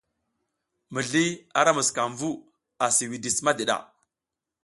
Mizliy ara musukam vu asi widis madiɗa.